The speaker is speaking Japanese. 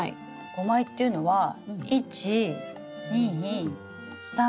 ５枚っていうのは１２３。